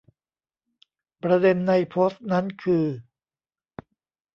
ประเด็นในโพสต์นั้นคือ